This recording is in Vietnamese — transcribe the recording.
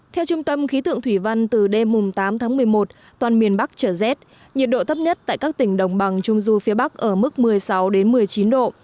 theo trung tâm khí tượng thủy văn từ đêm tám tháng một mươi một toàn miền bắc trở rét nhiệt độ thấp nhất tại các tỉnh đồng bằng trung du phía bắc ở mức một mươi sáu một mươi chín độ